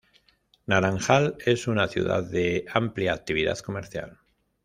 Naranjal es una ciudad de amplia actividad comercial.